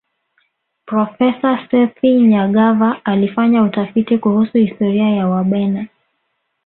profesa sethi nyagava alifanya utafiti kuhusu historia ya wabena